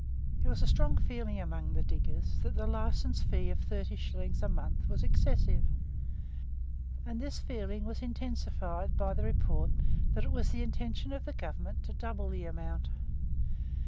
There was a strong feeling amongst the diggers that the license fee of thirty shillings per month was excessive, and this feeling was intensified by the report that it was the intention of the Government to double the amount.